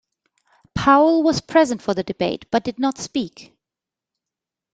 Powell was present for the debate but did not speak.